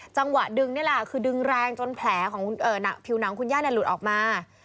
จังหวะดึงนี่แหละคือดึงแรงจนแผลของผิวหนังคุณย่าหลุดออกมา